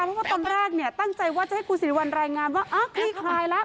เพราะว่าตอนแรกเนี่ยตั้งใจว่าจะให้คุณสิริวัลรายงานว่าคลี่คลายแล้ว